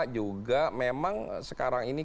juga memang sekarang ini